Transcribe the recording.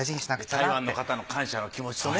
台湾の方の感謝の気持ちとね。